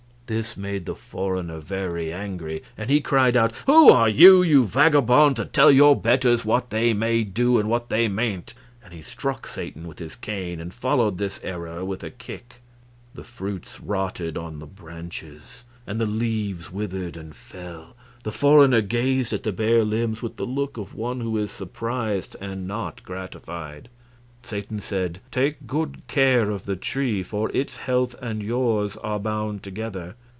This made the foreigner very angry, and he cried out, "Who are you, you vagabond, to tell your betters what they may do and what they mayn't!" and he struck Satan with his cane and followed this error with a kick. The fruits rotted on the branches, and the leaves withered and fell. The foreigner gazed at the bare limbs with the look of one who is surprised, and not gratified. Satan said: "Take good care of the tree, for its health and yours are bound together.